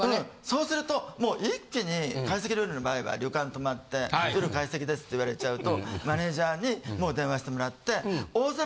そうするともう一気に懐石料理の場合は旅館泊まって夜懐石ですって言われちゃうとマネージャーにもう電話してもらって。